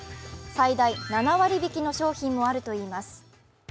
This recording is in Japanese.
最大７割引の商品もあるといいます